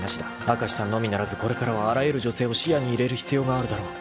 ［明石さんのみならずこれからはあらゆる女性を視野に入れる必要があるだろう］